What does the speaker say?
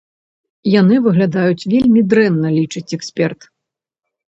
Яны выглядаюць вельмі дрэнна, лічыць эксперт.